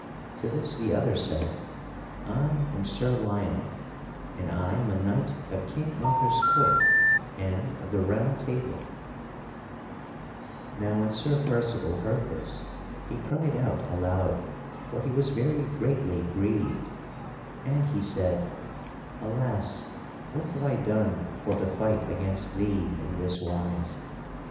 To this the other said: "I am Sir Lionel, and I am a knight of King Arthur's court and of the Round Table." [Sidenote: Sir Percival giveth aid to Sir Lionel] Now when Sir Percival heard this he cried out aloud, for he was very greatly grieved, and he said: "Al as, what have I done for to fight against thee in this wise!